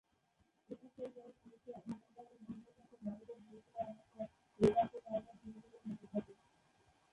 এসব পরিবারের পুরুষেরা অন্য গ্রামের ভিন্ন ভাষার নারীদের বিয়ে করে আনার পর এই ভাষার ব্যবহার ধীরে ধীরে কমতে থাকে।